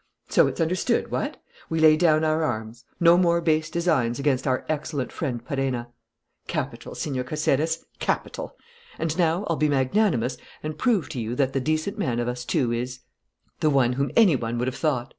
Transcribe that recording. So it's understood, what? We lay down our arms. No more base designs against our excellent friend Perenna. Capital, Señor Caceres, capital. And now I'll be magnanimous and prove to you that the decent man of us two is the one whom any one would have thought!"